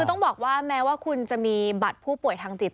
คือต้องบอกว่าแม้ว่าคุณจะมีบัตรผู้ป่วยทางจิต